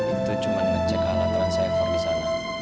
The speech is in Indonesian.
itu cuma ngecek alat transfer disana